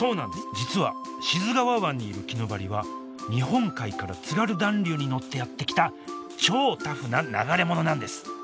実は志津川湾にいるキヌバリは日本海から津軽暖流に乗ってやって来た超タフな流れ者なんです